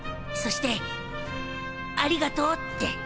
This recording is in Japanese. そしてありがとうって。